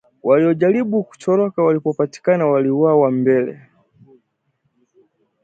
Waliojaribu kutoroka, walipopatikana waliuawa mbele